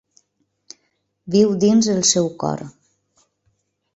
Viu dins el seu cor.